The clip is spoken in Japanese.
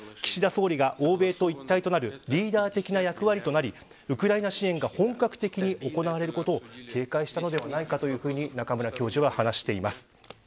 欧米と一体となるリーダー的な役割となりウクライナ支援が本格的に行われることを警戒したのではないかと話しています。